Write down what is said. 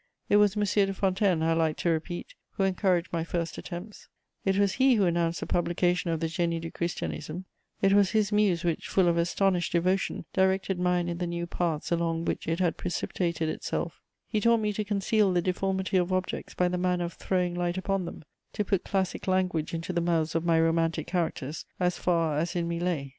It was M. de Fontanes, I like to repeat, who encouraged my first attempts: it was he who announced the publication of the Génie du Christianisme; it was his muse which, full of astonished devotion, directed mine in the new paths along which it had precipitated itself: he taught me to conceal the deformity of objects by the manner of throwing light upon them; to put classic language into the mouths of my romantic characters as far as in me lay.